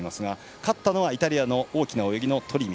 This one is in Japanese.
勝ったのはイタリアの大きな泳ぎのトリミ。